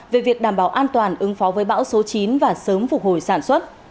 về việc đảm bảo an toàn ứng phó với bão số chín và sớm phục hồi sản xuất